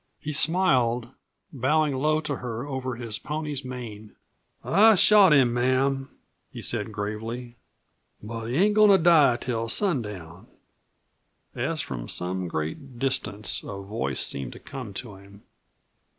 He smiled, bowing low to her over his pony's mane. "I shot him, ma'am," he said gravely, "but he ain't goin' to die till sundown." As from some great distance a voice seemed to come to him.